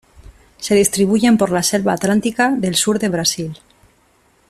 Se distribuyen por la selva atlántica del sur de Brasil.